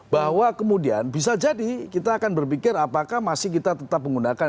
bahwa kemudian bisa jadi kita akan berpikir apakah masih kita tetap menggunakan